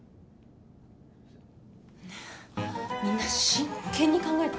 ねえみんな真剣に考えて。